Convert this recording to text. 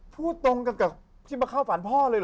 พูดตรงกับที่มาฝันพ่อเลยเหรอ